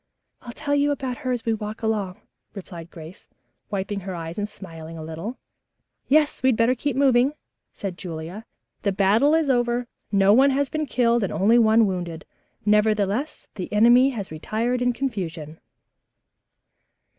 "I'll tell you about her as we walk along," replied Grace, wiping her eyes and smiling a little. "Yes, we had better be moving," said Julia. "The battle is over. No one has been killed and only one wounded. Nevertheless, the enemy has retired in confusion."